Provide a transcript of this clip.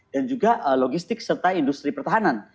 dan juga logistik serta industri pertahanan